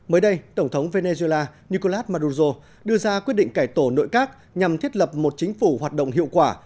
mới đây tổng thống venezuela nicolas maduzo đưa ra quyết định cải tổ nội các nhằm thiết lập một chính phủ hoạt động hiệu quả